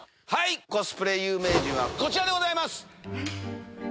コスプレ有名人はこちらでございます。